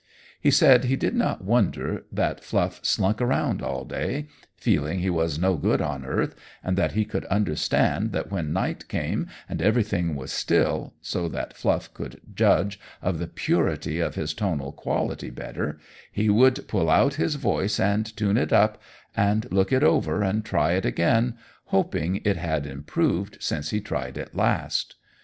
He said he did not wonder that Fluff slunk around all day, feeling he was no good on earth, and that he could understand that when night came and everything was still, so that Fluff could judge of the purity of his tonal quality better, he would pull out his voice, and tune it up and look it over and try it again, hoping it had improved since he tried it last.